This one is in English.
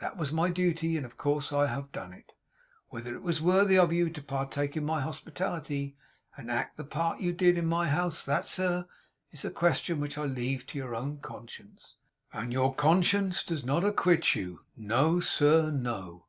That was my duty; and, of course, I have done it. Whether it was worthy of you to partake of my hospitality, and to act the part you did act in my house, that, sir, is a question which I leave to your own conscience. And your conscience does not acquit you. No, sir, no!